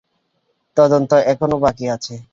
তদন্ত এখনও বাকি আছে।